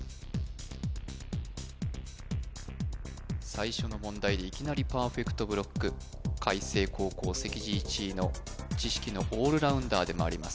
最初の問題でいきなりパーフェクトブロック開成高校席次１位の知識のオールラウンダーでもあります